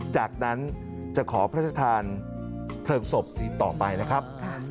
จากนั้นจะขอพระชธานเพลิงศพต่อไปนะครับ